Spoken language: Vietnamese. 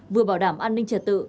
vừa bảo đảm an ninh trật tự